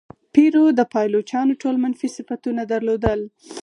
پیرو د پایلوچانو ټول منفي صفتونه درلودل.